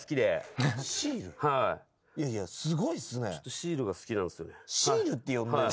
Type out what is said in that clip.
シールが好きなんすよね。